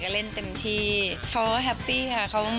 ก็เล่นเต็มที่เขาแฮปปี้ค่ะ